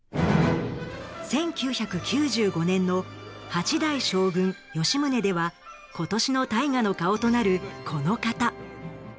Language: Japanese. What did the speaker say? １９９５年の「八代将軍吉宗」では今年の「大河」の顔となるこの方。